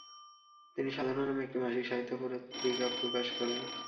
তিনি সাধনা নামে একটি মাসিক সাহিত্য পত্রিকা প্রকাশ করেন।